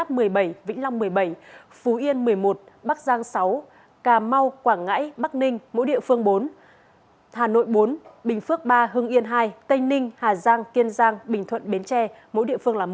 phú yên một mươi một bắc giang sáu cà mau quảng ngãi bắc ninh mỗi địa phương bốn hà nội bốn bình phước ba hưng yên hai tây ninh hà giang kiên giang bình thuận bến tre mỗi địa phương là một